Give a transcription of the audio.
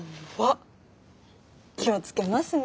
気を付けますね。